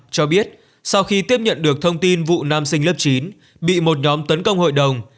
cho biết sau khi tiếp nhận được thông tin vụ nam sinh lớp chín bị một nhóm tấn công hội đồng